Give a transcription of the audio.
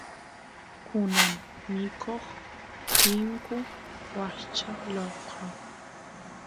kunan mikoq riyku washcha lokro